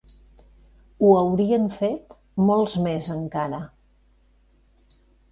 Ho haurien fet molts més encara